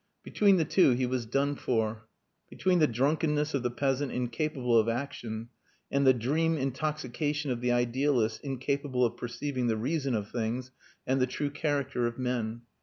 Between the two he was done for. Between the drunkenness of the peasant incapable of action and the dream intoxication of the idealist incapable of perceiving the reason of things, and the true character of men.